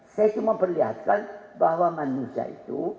saya cuma perlihatkan bahwa manusia itu